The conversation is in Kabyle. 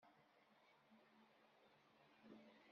Amɣar yemmuten, d agerruj i yeṛuḥen.